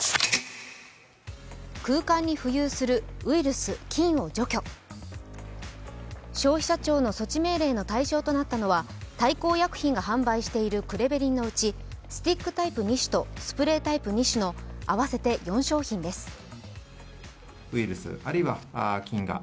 空間に浮遊するウイルス・菌を除去消費者庁の措置命令の対象となったのは大幸薬品が販売しているクレベリンのうち、スティックタイプ２種とスプレータイプ２種の合わせて４商品です。